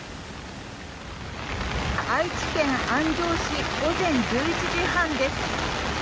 愛知県安城市午前１１時半です。